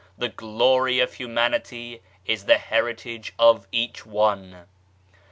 The Glory of Humanity is the heritage of each one.